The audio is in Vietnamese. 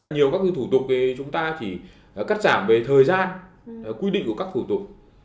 nhiều các thủ tục chúng ta chỉ cắt giảm về thời gian quy định của các thủ tục